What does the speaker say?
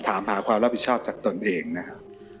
ถามหาความรับผิดชอบจากตนเองนะครับ